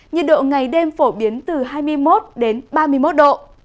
nhiệt độ ngày đêm phổ biến từ hai mươi một đến ba mươi một độ